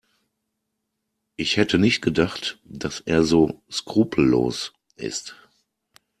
Ich hätte nicht gedacht, dass er so skrupellos ist.